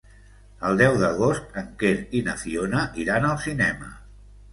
El deu d'agost en Quer i na Fiona iran al cinema.